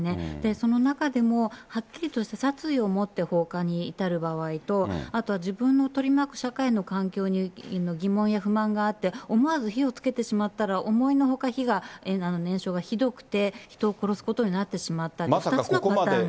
その中でも、はっきりとした殺意を持って放火に至る場合と、あとは自分の取り巻く社会の環境に疑問や不満があって、思わず火をつけてしまったら、思いのほか、燃焼がひどくて、人を殺すことになってしまったという。